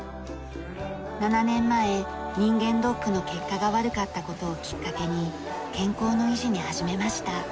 ７年前人間ドックの結果が悪かった事をきっかけに健康の維持に始めました。